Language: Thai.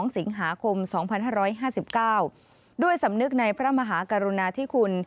๒สิงหาคม๒๕๕๙ด้วยสำนึกในพระมหากรุณาธิคุณ